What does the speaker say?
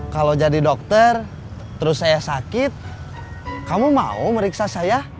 kalau jadi dokter terus saya sakit kamu mau meriksa saya